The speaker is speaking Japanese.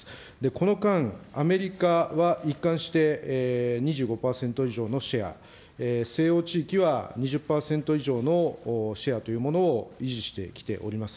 この間、アメリカは一貫して２５％以上のシェア、西欧地域は２０％以上のシェアというものを維持してきております。